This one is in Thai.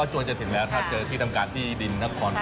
จวนจะถึงแล้วถ้าเจอที่ทำการที่ดินนคร